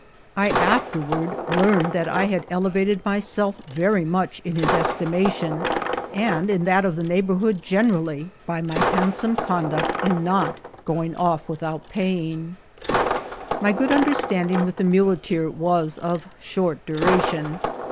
I afterward learned that I had elevated myself very much in his estunation, and in that of the neighbourhood Vol. L— X IM IHCIDBNTB or TKATBL. generallyi by my bandBome conduct in not going off without paying.* My good understanding with the muleteer was of short duration.